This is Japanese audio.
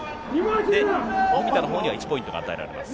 文田のほうには１ポイントが与えられます。